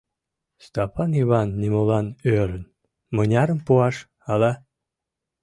Стапан Йыван нимолан ӧрын: мынярым пуаш, ала.